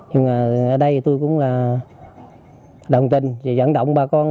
nhưng mà ở đây tôi cũng là đồng tình dẫn động bà con